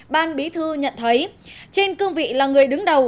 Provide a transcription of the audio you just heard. ban bí thư nhận thấy trên cương vị là người đứng đầu